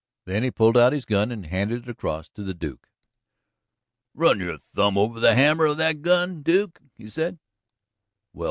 Then he pulled out his gun and handed it across to the Duke. "Run your thumb over the hammer of that gun, Duke," he said. "Well!